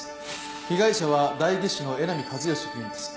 被害者は代議士の江波和義議員です。